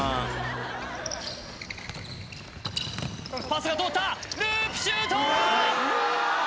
パスが通ったループシュート！